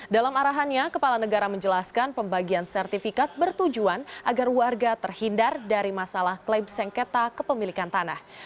dalam arahannya kepala negara menjelaskan pembagian sertifikat bertujuan agar warga terhindar dari masalah klaim sengketa kepemilikan tanah